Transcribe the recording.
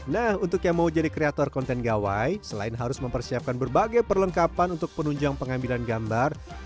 nah untuk yang mau jadi kreator konten gawai selain harus mempersiapkan berbagai perlengkapan untuk penunjang pengambilan gambar